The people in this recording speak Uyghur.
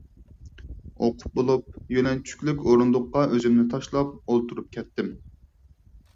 ئوقۇپ بولۇپ يۆلەنچۈكلۈك ئورۇندۇققا ئۆزۈمنى تاشلاپ ئولتۇرۇپ كەتتىم.